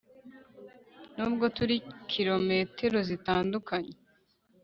nubwo turi kilometero zitandukanye